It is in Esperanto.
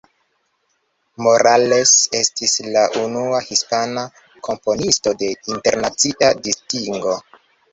Morales estis la unua hispana komponisto de internacia distingo.